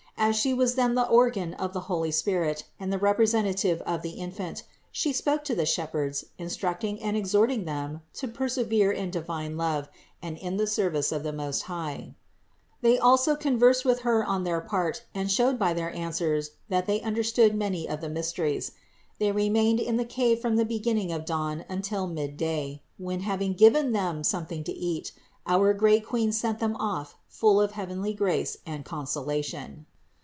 As She was then the organ of the holy Spirit and the representative of the Infant, She spoke to the shepherds, instructing and exhorting them to persevere in divine love and in the service of the Most High. They also conversed with Her on their part and showed by their answers that they un THE INCARNATION 417 derstood many of the mysteries. They remained in the cave from the beginning of dawn until mid day, when, having given them something to eat, our great Queen sent them off full of heavenly grace and consolation.